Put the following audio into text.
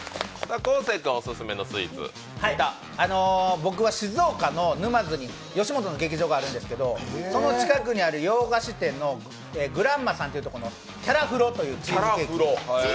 僕は静岡の沼津に吉本の劇場があるんですけど、その近くにある洋菓子店のグランマさんというところのキャラフロというチーズケーキ。